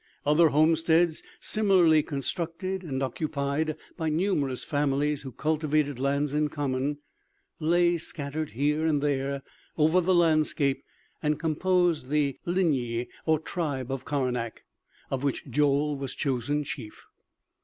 Other homesteads, similarly constructed and occupied by numerous families who cultivated lands in common, lay scattered here and there over the landscape and composed the ligniez, or tribe of Karnak, of which Joel was chosen chief.